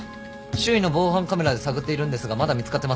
周囲の防犯カメラで探っているんですがまだ見つかってません。